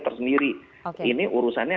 tersendiri ini urusannya